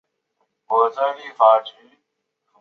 通过在钢材表面电镀锌而制成。